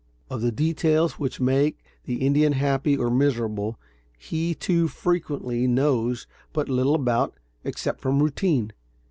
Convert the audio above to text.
Of the details which make the Indian happy or miserable, he, too frequently, knows but little about, except from routine.